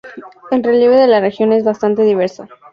El relieve de la región es bastante diverso.